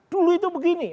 dulu itu begini